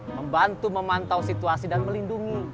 membantu memantau situasi dan melindungi